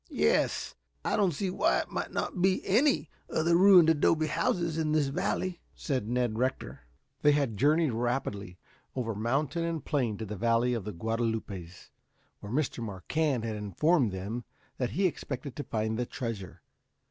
"Yes; I don't see why it might not be any of the ruined adobe houses in this valley?" said Ned Rector. They had journeyed rapidly over mountain and plain to the valley of the Guadalupes, where Mr. Marquand had informed them that he expected to find the treasure.